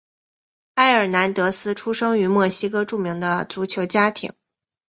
埃尔南德斯出生于墨西哥著名的足球家庭。